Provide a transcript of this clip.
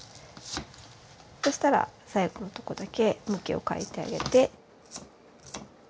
そうしたら最後のとこだけ向きを変えてあげて。